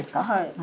はい。